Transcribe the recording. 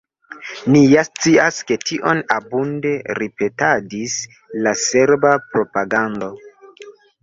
Ni ja scias, ke tion abunde ripetadis la serba propagando.